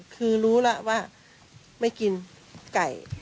คือรู้แล้วว่าไม่กินไก่